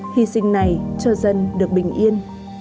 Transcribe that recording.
hy sinh này cho dân được bình yên